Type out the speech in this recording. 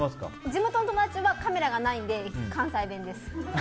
地元の友達はカメラがないので関西弁です。